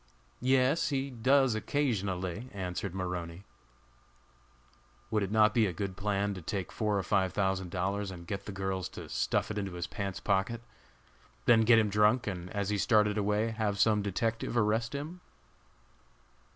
"Yes, he does, occasionally," answered Maroney. "Would it not be a good plan to take four or five thousand dollars and get the girls to stuff it into his pants pocket; then get him drunk, and as he started away have some detective arrest him?"